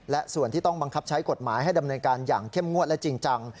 และส่วนที่ต้องบังคับใช้กฎหมายให้ดำเนินการอย่างเข้มงวดและจริงจัง